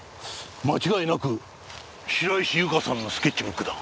間違いなく白石ゆかさんのスケッチブックだ。